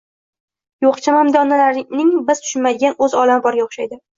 Yo‘q, chamamda, onalarning biz tushunmaydigan o‘z olami borga o‘xshaydi.